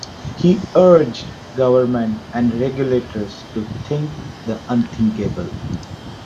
He urged Government and regulators to "think the unthinkable".